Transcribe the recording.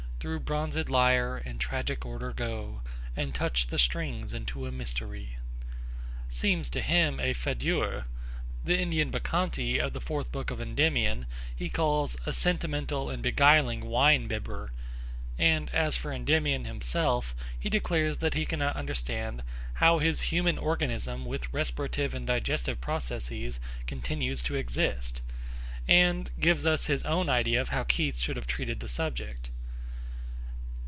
Through bronzed lyre in tragic order go, And touch the strings into a mystery, seems to him 'a fadeur'; the Indian Bacchante of the fourth book of Endymion he calls a 'sentimental and beguiling wine bibber,' and, as for Endymion himself, he declares that he cannot understand 'how his human organism, with respirative and digestive processes, continues to exist,' and gives us his own idea of how Keats should have treated the subject.